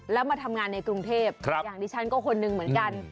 แล้วมาทำงานในกรุงเทพอย่างที่ฉันก็คนหนึ่งเหมือนกัน